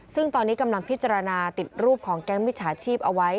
ซึ่งตอนนี้กำลังพิจารณาติดรูปของแก๊งมิจฉาชีพเอาไว้